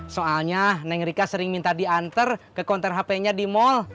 soalnya neng rika sering minta diantar ke kontor hpnya di mall